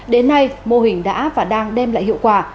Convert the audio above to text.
đến nay mô hình đã và đang đem lại hiệu quả